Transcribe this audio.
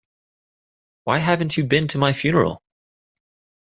Why haven't you been to my funeral?